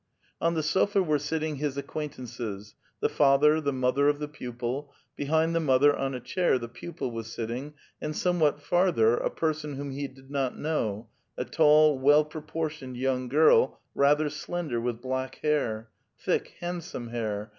On the sofa were sitting his acquaintances, — the father, the mother of the pu[)il ; behind the mother, on a chair, the pupil was sitting, and somewhat farther, a person whom he did not know, a tall, well proportioned young girl, rather slender, with black hair, —*' thick, handsome hair!